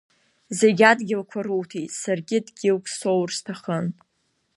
Зегь адгьылқәа руҭет, саргьы дгьылк соур сҭахын.